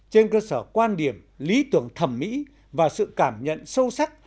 trên cơ sở quan điểm lý tưởng thẩm mỹ và sự cảm nhận sâu sắc